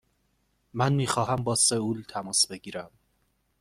من می خواهم با سئول تماس بگیرم.